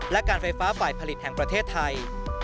และการไฟฟ้าฝ่ายผลิตแห่งประเทศไทย